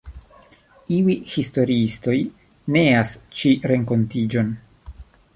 Iuj historiistoj neas ĉi renkontiĝon.